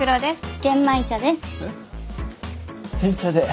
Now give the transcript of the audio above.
玄米茶です。